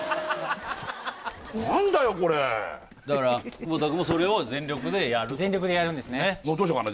何だよこれだから窪田くんもそれを全力でやると全力でやるんですねどうしようかな